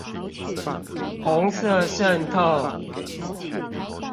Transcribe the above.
紅色滲透